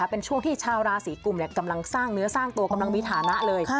เป็นช่วงที่ชาวราศีกลุ่มกำลังสร้างเนื้อสร้างตัวกำลังมีฐานะเลย